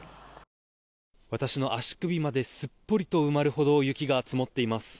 私の足首まですっぽりと埋まるほど雪が積もっています。